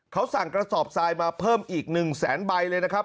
เขาสั่งกระสอบทรายมาเพิ่มอีก๑แสนใบเลยนะครับ